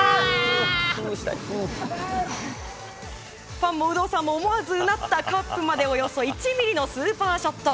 ファンも有働さんも思わずうなったカップまでおよそ１ｍｍのスーパーショット。